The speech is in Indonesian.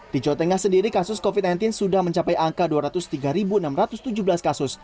di jawa tengah sendiri kasus covid sembilan belas sudah mencapai angka dua ratus tiga enam ratus tujuh belas kasus